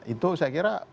itu saya kira